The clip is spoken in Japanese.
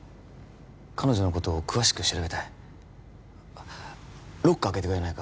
彼女のことを詳しく調べたいロッカー開けてくれないか？